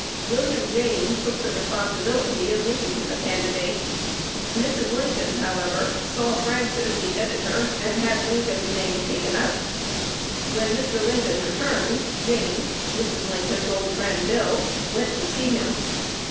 William Jayne took the responsibility of making him a candidate. Mrs. Lincoln, however, "saw Francis, the editor, and had Lincoln's name taken out." When Mr. Lincoln returned, Jayne (Mrs. Lincoln's old friend "Bill") went to see him.